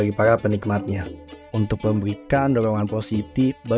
hingga setiap tubuhkan kopi yang membawa kita